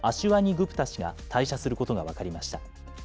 ・グプタ氏が退社することが分かりました。